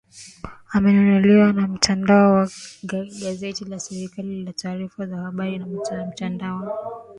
amenukuliwa na mtandao wa gazeti la serikali la taarifa za habari za mtandaoni